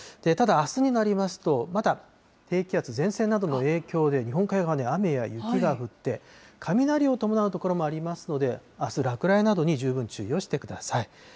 ただあすになりますと、まだ低気圧、前線などの影響で、日本海側で雨や雪が降って、雷を伴う所もありますので、あす、落雷などに十分注意をしてください。